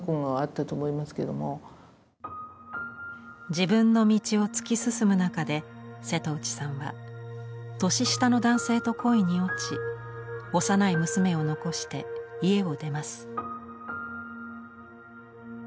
自分の道を突き進む中で瀬戸内さんは年下の男性と恋に落ち幼い娘を残して、家を出ます。